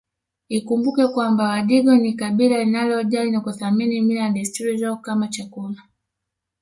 Ikumbukwe kwamba wadigo ni kabila linalojali na kuthamini mila na desturi zao kama chakula